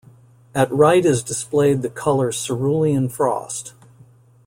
At right is displayed the colour cerulean frost.